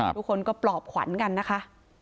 ทุกคนก็ปลอบขวัญกันนะคะ